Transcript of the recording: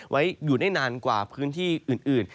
ไว้อยู่ได้นานกว่าพื้นที่อื่น